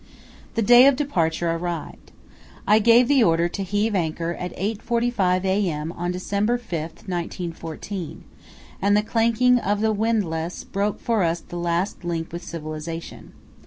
The day of departure arrived. I gave the order to heave anchor at 8.45 a.m. on December 5, 1914, and the clanking of the windlass broke for us the last link with civilization.